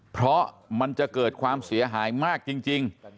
เพราะมันจะเกิดความเสียหายมากจริง